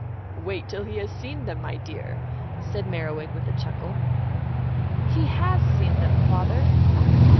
"Wait till he has seen them, my dear," said Merriwig with a chuckle. "He has seen them, Father."